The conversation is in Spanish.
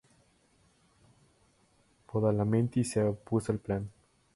Badalamenti se opuso al plan.